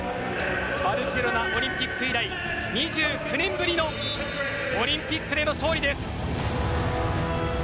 バルセロナオリンピック以来２９年ぶりのオリンピックでの勝利です。